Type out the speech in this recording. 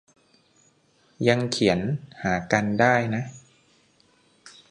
ยังเขียนหากันได้นะ